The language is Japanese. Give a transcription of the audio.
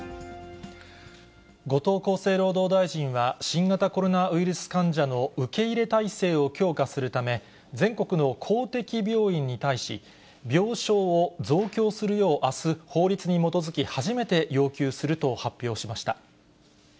後藤厚生労働大臣は新型コロナウイルス患者の受け入れ体制を強化するため、全国の公的病院に対し、病床を増強するよう、あす、法律に基づき、初めて要求すると発表しました。